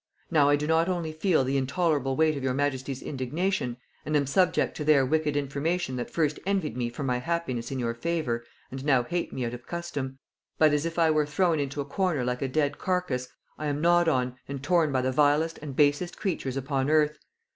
Now I do not only feel the intolerable weight of your majesty's indignation, and am subject to their wicked information that first envied me for my happiness in your favor and now hate me out of custom; but, as if I were thrown into a corner like a dead carcase, I am gnawed on and torn by the vilest and basest creatures upon earth.